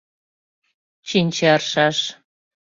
Чинче аршаш.